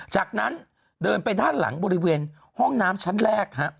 จากนั้นเดินไปด้านหลังบริเวณห้องน้ำชั้นแรก